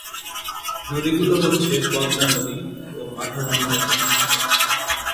নদীগুলো হচ্ছে পদ্মা নদী ও মাথাভাঙ্গা নদী।